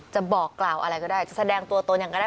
จะบอกกล่าวอะไรก็ได้จะแสดงตัวตนอย่างก็ได้